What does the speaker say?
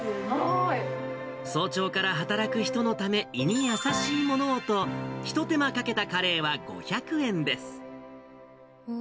早朝から働く人のため、胃に優しいものをと、一手間かけたカレーは５００円です。